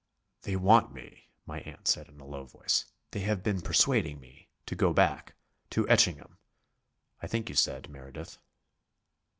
"They want me," my aunt said in a low voice, "they have been persuading me ... to go back ... to Etchingham, I think you said, Meredith."